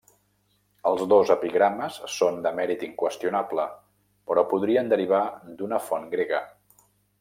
Els dos epigrames són de mèrit inqüestionable però podrien derivar d'una font grega.